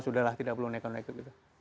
sudahlah tidak perlu naikkan naikkan gitu